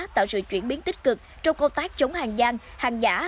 tạo sự chuyển biến tích cực trong công tác chống hàng giang hàng giả